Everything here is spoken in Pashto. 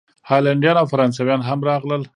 هالینډیان او فرانسویان هم راغلل.